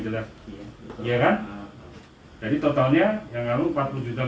ke lampung ngapain intinya sebagian besar duitnya kamu pakai untuk boya boyakan